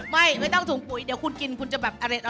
ไม่ต้องถุงปุ๋ยเดี๋ยวคุณกินคุณจะแบบอร่อย